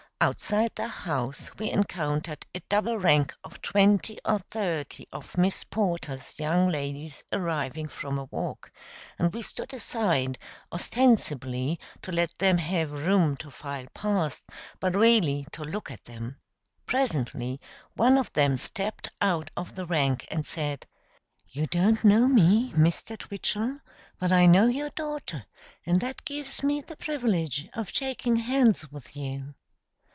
Outside the house we encountered a double rank of twenty or thirty of Miss Porter's young ladies arriving from a walk, and we stood aside, ostensibly to let them have room to file past, but really to look at them. Presently one of them stepped out of the rank and said: "You don't know me, Mr. Twichell; but I know your daughter, and that gives me the privilege of shaking hands with you."